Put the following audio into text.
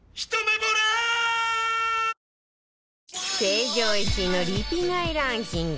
成城石井のリピ買いランキング